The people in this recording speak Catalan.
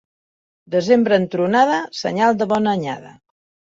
Desembre amb tronada, senyal de bona anyada.